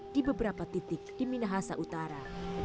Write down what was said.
di beberapa titik di minahasa utara